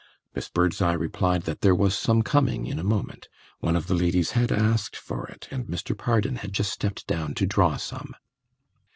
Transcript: Miss Birdseye replied that there was some coming in a moment; one of the ladies had asked for it, and Mr. Pardon had just stepped down to draw some.